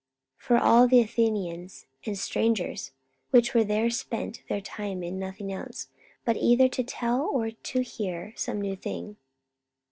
44:017:021 (For all the Athenians and strangers which were there spent their time in nothing else, but either to tell, or to hear some new thing.)